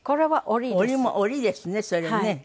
織りですねそれね。